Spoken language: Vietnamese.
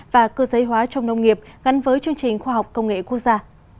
và cơ giới hóa trong nông nghiệp gắn với chương trình khoa học công nghệ quốc gia